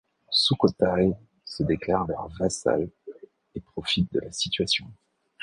Sukhotaï se déclare leur vassale et profite de la situation.